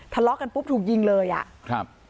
ทะเลาะกันปุ๊บถูกยิงเลยอะ